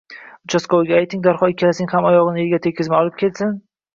Uchastkavoyga ayting, darhol ikkalasining ham oyog`ini erga tegizmay olib kelsin